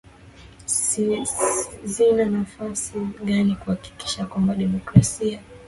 zina nafasi gani kuhakikisha kwamba demokrasia